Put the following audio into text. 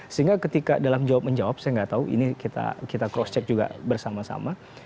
sehingga ketika dalam jawab menjawab saya nggak tahu ini kita cross check juga bersama sama